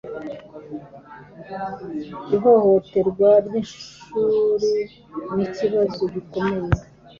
Ihohoterwa ryishuri nikibazo gikomeye